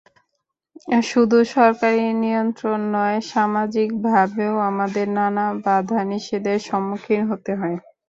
শুধু সরকারি নিয়ন্ত্রণ নয়, সামাজিকভাবেও আমাদের নানা বাধানিষেধের সম্মুখীন হতে হয়।